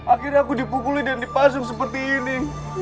akhirnya aku dipukuli dan dipasung seperti ini